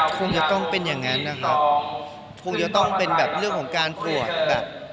คงจะต้องเป็นอย่างนั้นนะครับคงจะต้องเป็นแบบเรื่องของการปวดแบบ